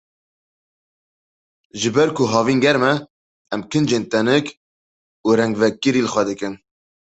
Ji ber ku havîn germ e, em kincên tenik û rengvekirî li xwe dikin.